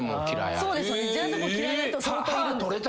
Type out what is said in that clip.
そうですよね。